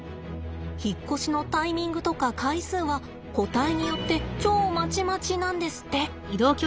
引っ越しのタイミングとか回数は個体によって超まちまちなんですって。